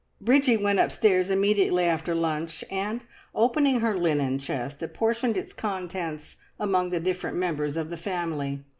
Bridgie went upstairs immediately after lunch, and, opening her linen chest, apportioned its contents among the different members of the family.